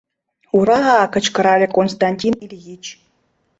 — Ура-а! — кычкырале Константин Ильич.